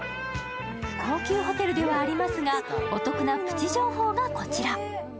高級ホテルではありますが、お得なプチ情報がこちら。